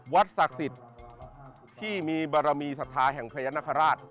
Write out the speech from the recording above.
ศักดิ์สิทธิ์ที่มีบารมีศรัทธาแห่งพญานาคาราช